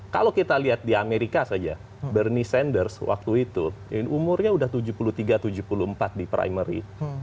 kalau kita lihat di amerika saja bernie sanders waktu itu umurnya sudah tujuh puluh tiga tujuh puluh empat di primary